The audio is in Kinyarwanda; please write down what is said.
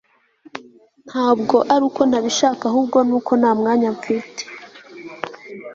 Ntabwo ari uko ntabishaka ahubwo ni uko nta mwanya mfite